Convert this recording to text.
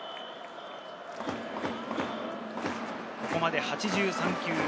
ここまで８３球。